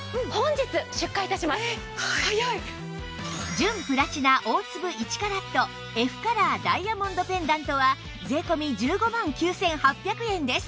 純プラチナ大粒１カラット Ｆ カラーダイヤモンドペンダントは税込１５万９８００円です